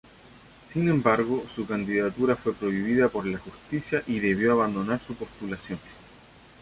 Sin embargo, su candidatura fue prohibida por la Justicia y debió abandonar su postulación.